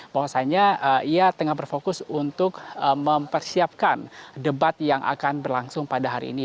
bahwasannya ia tengah berfokus untuk mempersiapkan debat yang akan berlangsung pada hari ini